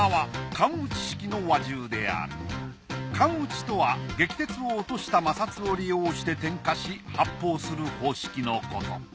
お宝は管打ちとは撃鉄を落とした摩擦を利用して点火し発砲する方式のこと。